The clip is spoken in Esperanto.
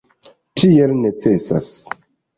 Tiel necesas.